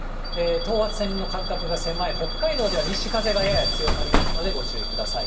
等圧線の間隔が狭い北海道では西風がやや強まりますのでご注意ください。